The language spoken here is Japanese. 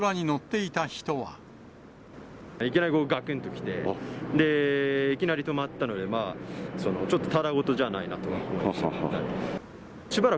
いきなりがくんときて、いきなり止まったので、ちょっとただごとじゃないなと思いました。